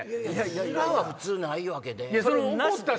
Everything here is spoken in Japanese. ヅラは普通ないわけで。